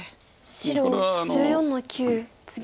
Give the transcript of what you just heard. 白１４の九ツギ。